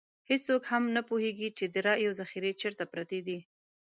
هېڅوک هم نه پوهېږي چې د رایو ذخیرې چېرته پرتې دي.